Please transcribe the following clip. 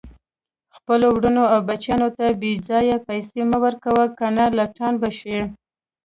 خپلو ورونو او بچیانو ته بیځایه پیسي مه ورکوئ، کنه لټان به شي